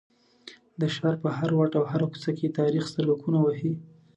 د ښار په هر واټ او هره کوڅه کې تاریخ سترګکونه وهي.